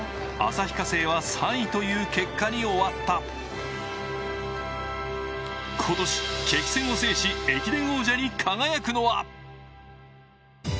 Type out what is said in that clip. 旭化成は３位という結果に終わった今年、激戦を制し、駅伝王者に輝くのは？